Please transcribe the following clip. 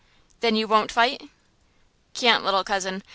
"Then you won't fight!" "Can't, little cousin!